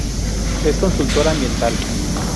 Es consultora ambiental.